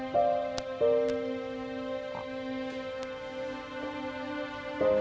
tidak ada sana